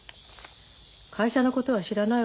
会社のことは知らないわよ。